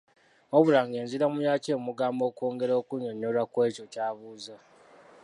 Wabula ng’enziramu yaakyo emuyamba okwongera okunnyonnyolwa ku ekyo ky’abuuza.